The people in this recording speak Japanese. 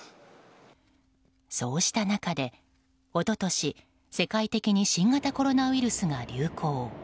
そうした中でおととし、世界的に新型コロナウイルスが流行。